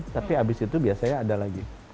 tapi abis itu biasanya ada lagi